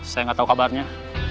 saya gak tahu kabarnya